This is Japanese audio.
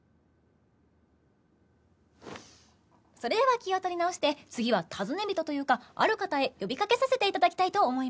それでは気を取り直して次は尋ね人というかある方へ呼びかけさせて頂きたいと思います。